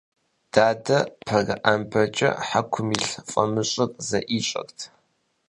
Дадэ пэрыӏэмбэкӏэ хьэкум илъ фӏамыщӏыр зэӏищӏэрт.